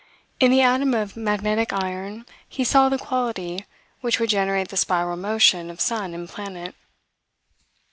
In the atom of magnetic iron, he saw the quality which would generate the spiral motion of sun and planet.